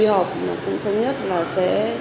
đi học cũng thống nhất là sẽ